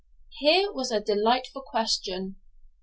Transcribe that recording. Here was a delightful question.